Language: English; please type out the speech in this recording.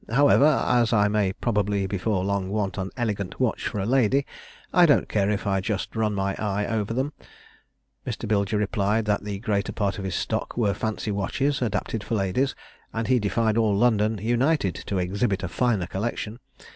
However, as I may probably, before long, want an elegant watch for a lady, I don't care if I just run my eye over them.' Mr. Bilger replied that the greater part of his stock were fancy watches, adapted for ladies; and he defied all London united to exhibit a finer collection.